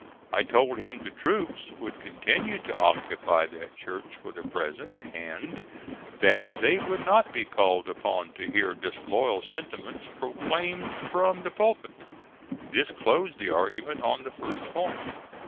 I told him the troops would continue to occupy that church for the present, and that they would not be called upon to hear disloyal sentiments proclaimed from the pulpit. This closed the argument on the first point.